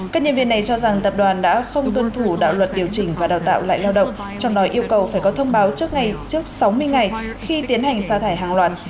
các nhân viên này cho rằng tập đoàn đã không tuân thủ đạo luật điều chỉnh và đào tạo lại lao động trong đó yêu cầu phải có thông báo trước ngày trước sáu mươi ngày khi tiến hành xa thải hàng loạt